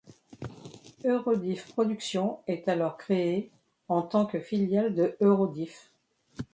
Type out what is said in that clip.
Eurodif Production est alors créée en tant que filiale de Eurodif.